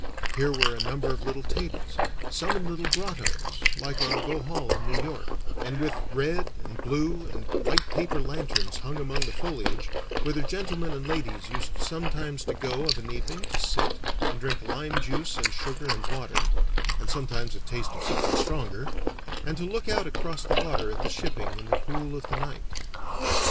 Here were a number of little tables, some in little grottoes, like our Vauxhall in New York, and with red and blue and white paper lanterns hung among the foliage, whither gentlemen and ladies used sometimes to go of an evening to sit and drink lime juice and sugar and water (and sometimes a taste of something stronger), and to look out across the water at the shipping in the cool of the night.